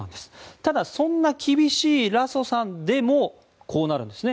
ただ、そんな厳しいラソさんでもこうなるんですね。